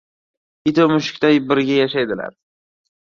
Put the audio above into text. • It va mushukday birga yashaydilar.